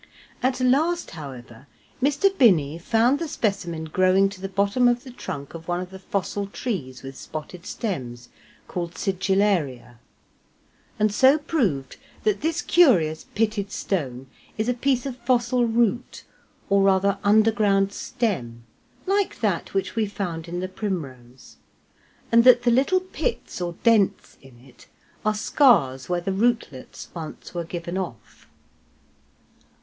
At last, however, Mr. Binney found the specimen growing to the bottom of the trunk of one of the fossil trees with spotted stems, called Sigillaria; and so proved that this curious pitted stone is a piece of fossil root, or rather underground stem, like that which we found in the primrose, and that the little pits or dents in it are scars where the rootlets once were given off.